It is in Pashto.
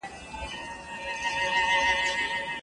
د مثبت فکر او هڅې په وسیله کولی شې چې هر هدف ترلاسه کړې.